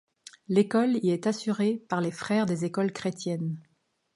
L’école y est assurée par les Frères des écoles chrétiennes.